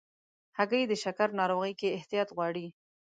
هګۍ د شکر ناروغۍ کې احتیاط غواړي.